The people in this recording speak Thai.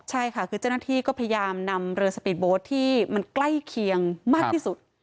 ใช่ค่ะคือเจ้าหน้าที่ก็พยายามนำเรือสปีดโบ๊ทที่มันใกล้เคียงมากที่สุด